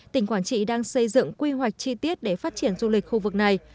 tỉnh quảng trị đang xây dựng quy hoạch chi tiết để phát triển du lịch khu vực này